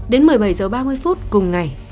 đến một mươi bảy h ba mươi phút cùng ngày